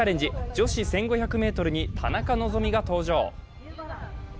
女子１５００ｍに田中希実が登場。